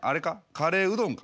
カレーうどんか？